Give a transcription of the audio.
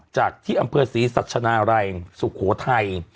จากที่อำเภอศรีสัชนาลัยสุโขทัย